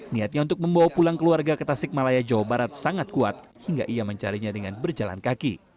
niatnya untuk membawa pulang keluarga ke tasik malaya jawa barat sangat kuat hingga ia mencarinya dengan berjalan kaki